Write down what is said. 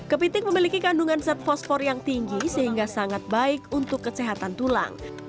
kepiting memiliki kandungan zat fosfor yang tinggi sehingga sangat baik untuk kesehatan tulang